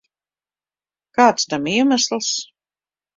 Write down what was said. Kāds tam iemesls?